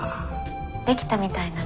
できたみたいなの。